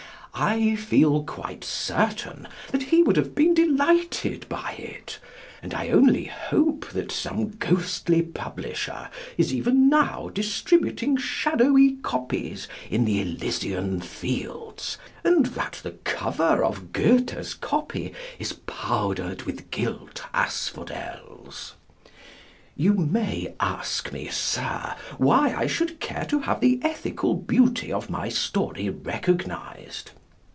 I feel quite certain that he would have been delighted by it, and I only hope that some ghostly publisher is even now distributing shadowy copies in the Elysian fields, and that the cover of Goethe's copy is powdered with gilt asphodels. You may ask me, Sir, why I should care to have the ethical beauty of my story recognised.